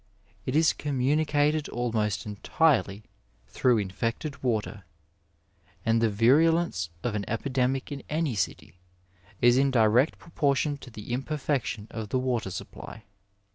It is communicated almost entirely through in fected water, and the virulence of an epidemic in any city is in direct proportion to the imperfection of the water supply.